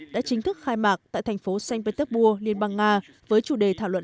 đã chính thức khai mạc tại thành phố saint petersburg liên bang nga với chủ đề thảo luận